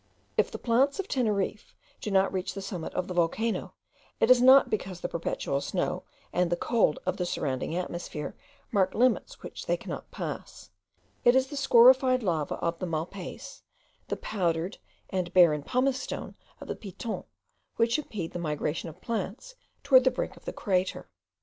If the plants of Teneriffe do not reach the summit of the volcano, it is not because the perpetual snow and the cold of the surrounding atmosphere mark limits which they cannot pass; it is the scorified lava of the Malpays, the powdered and barren pumice stone of the Piton, which impede the migration of plants towards the brink of the crater.